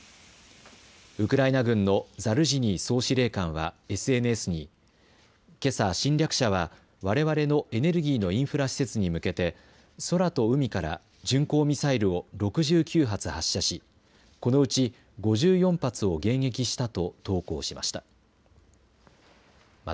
ウクライナ軍のザルジニー総司令官はＳＮＳに、けさ侵略者はわれわれのエネルギーのインフラ施設に向けて空と海から巡航ミサイルを６９発、発射しこのうち５４発を迎撃したと投稿しました。